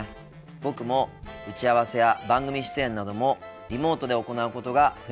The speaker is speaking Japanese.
僕も打ち合わせや番組出演などもリモートで行うことが増えました。